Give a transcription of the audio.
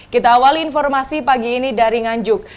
kita awali informasi pagi ini dari nganjuk